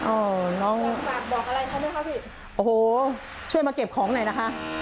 โอ้น้องช่วยมาเก็บของไหนนะคะ